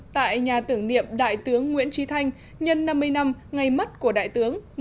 tại nhà tưởng niệm đại tướng nguyễn tri thanh nhân năm mươi năm ngày mắt của đại tướng